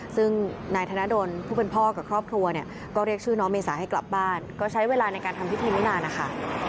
ซึ่งนายธนดลผู้เป็นพ่อกับครอบครัวเนี่ยก็เรียกชื่อน้องเมษาให้กลับบ้านก็ใช้เวลาในการทำพิธีไม่นานนะคะ